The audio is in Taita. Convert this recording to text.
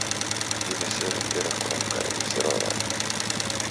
Diw'esere ngera kuramka w'izerwa w'ada